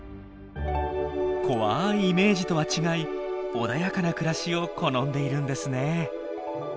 怖いイメージとは違い穏やかな暮らしを好んでいるんですね。